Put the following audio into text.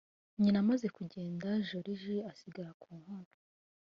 nyina amaze kugenda joriji asigara ku nkono